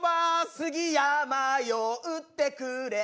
「杉山よ打ってくれ」